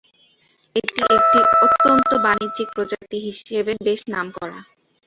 এটি একটি অত্যন্ত বাণিজ্যিক প্রজাতি হিসেবে বেশ নামকরা।